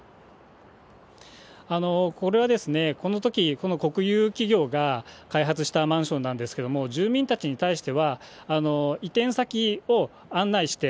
これは、このとき、国有企業が開発したマンションなんですけれども、住民たちに対しては、移転先を案内して、